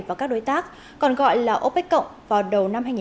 và các đối tác còn gọi là opec cộng vào đầu năm hai nghìn hai mươi